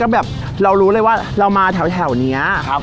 ก็ดีก็รู้เลยว่าเรามาแถวงัดเนี้ยครับ